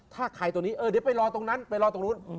ถ้าใครตรงนี้เออเดี๋ยวไปรอตรงนั้นไปรอตรงนู้น